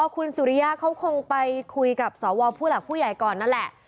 คุณสุริยะเขาคงไปคุยกับสวผู้หลักผู้ใหญ่ก่อนนั่นแหละ